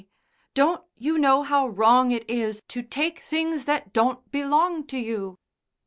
Don't you know how wrong it is to take things that don't belong to you?"